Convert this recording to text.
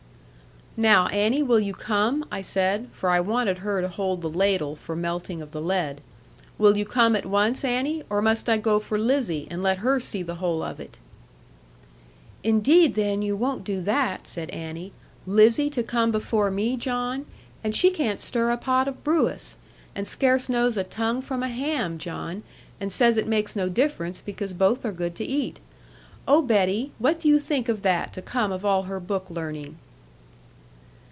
'Now, Annie, will you come?' I said, for I wanted her to hold the ladle for melting of the lead; 'will you come at once, Annie? or must I go for Lizzie, and let her see the whole of it?' 'Indeed, then, you won't do that,' said Annie; 'Lizzie to come before me, John; and she can't stir a pot of brewis, and scarce knows a tongue from a ham, John, and says it makes no difference, because both are good to eat! Oh, Betty, what do you think of that to come of all her book learning?'